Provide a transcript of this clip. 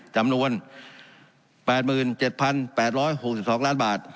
จำนวน๘๗๘๖๒ล้านบาท